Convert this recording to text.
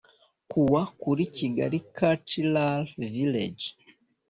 Kuwa kuri Kigali Cultural Village